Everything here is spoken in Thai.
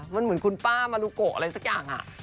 มันเหมือนคุณป้ามารุโกะอะไรสักอย่าง